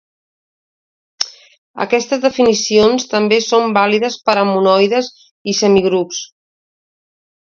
Aquestes definicions també són vàlides per a monoides i semigrups.